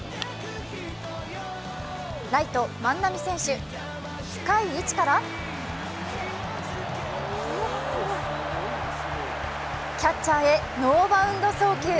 ライト・万波選手、深い位置からキャッチャーへノーバウンド送球。